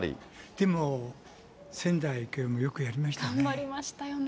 でも、仙台育英もよくやりましたね。